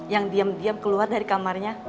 yang diam diam keluar dari kamarnya